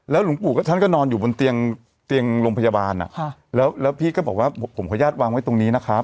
แล้วหลวงปู่ก็ท่านก็นอนอยู่บนเตียงเตียงโรงพยาบาลอ่ะค่ะแล้วแล้วพี่ก็บอกว่าผมขอญญาติวางไว้ตรงนี้นะครับ